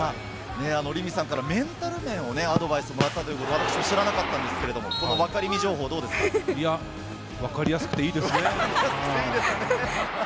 凛美さんからメンタル面、アドバイスがあったというのを私も知らなかったですが、分かりやすくていいですね。